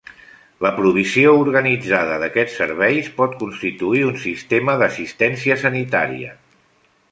La provisió organitzada d'aquests serveis pot constituir un sistema d'assistència sanitària.